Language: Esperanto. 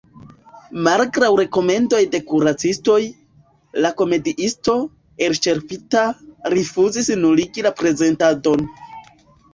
Malgraŭ rekomendoj de kuracistoj, la komediisto, elĉerpita, rifuzis nuligi la prezentadon.